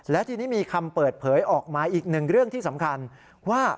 และทีนี้มีคำเปิดเผยออกมาอีกหนึ่งเรื่องที่สำคัญว่า